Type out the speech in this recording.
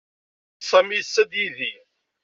Sami yusa-d yid-i.